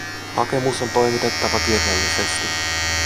Hakemus on toimitettava kirjallisesti